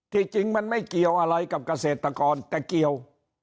จริงมันไม่เกี่ยวอะไรกับเกษตรกรแต่เกี่ยว